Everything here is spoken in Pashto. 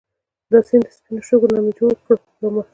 دا سیند دا سپينو شګو نه مي جوړ کړو يو محل